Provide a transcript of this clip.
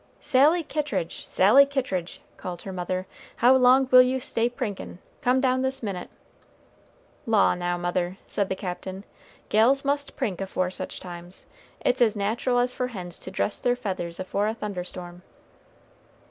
"Sally Kittridge, Sally Kittridge," called her mother, "how long will you stay prinkin'? come down this minute." "Law now, mother," said the Captain, "gals must prink afore such times; it's as natural as for hens to dress their feathers afore a thunder storm."